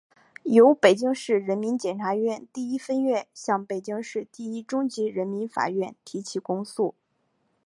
由北京市人民检察院第一分院向北京市第一中级人民法院提起公诉